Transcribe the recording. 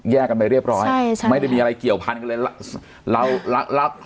กันไปเรียบร้อยใช่ใช่ไม่ได้มีอะไรเกี่ยวพันกันเลยเรารับ